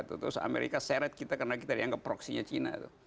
terus amerika seret kita karena kita dianggap proksinya cina